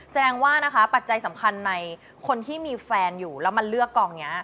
แสดงว่านะคะปัจจัยสำคัญในคนที่มีแฟนอยู่แล้วมาเลือกกองนี้